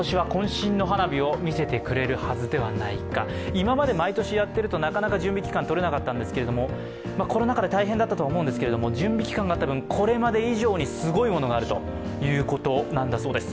今まで毎年やっているとなかなか準備期間とれなかったんですがコロナ禍で大変だったとは思うんですけど準備期間がこれまで以上にすごいものがあるということなんだそうです。